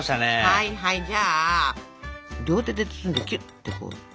はいはいじゃあ両手で包んでぎゅってこう。